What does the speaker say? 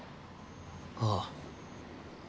ああ。